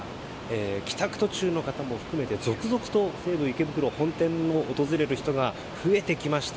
帰宅途中の方も含めて続々と西武池袋本店へ訪れる人が増えてきました。